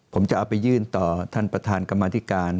ผมจะเอาไปยื่นต่อท่านประธานกรรมธิการ